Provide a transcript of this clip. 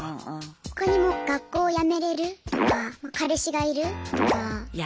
他にも学校辞めれる？とか彼氏がいる？とか。